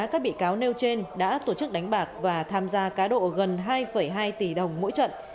các bị cáo nêu trên đã tổ chức đánh bạc và tham gia cá độ gần hai hai tỷ đồng mỗi trận